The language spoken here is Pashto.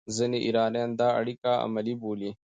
ځینې ایرانیان دا اړیکه عملي بولي.